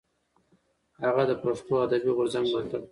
هغه د پښتو ادبي غورځنګ ملاتړ کړی.